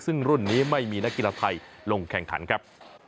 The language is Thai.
ซึ่งรุ่นนี้ไม่มีนักกีฬาไทยลงแข่งขันครับ